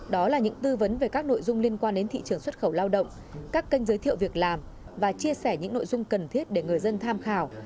đó là những tư vấn về các nội dung liên quan đến thị trường xuất khẩu lao động các kênh giới thiệu việc làm và chia sẻ những nội dung cần thiết để người dân tham khảo